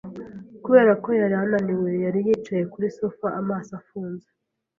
Kubera ko yari ananiwe, yari yicaye kuri sofa amaso afunze.